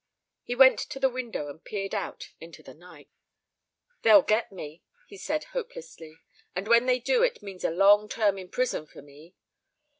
He went to the window and peered out into the night. "They'll get me," he said, hopelessly, "and when they do it means a long term in prison for me."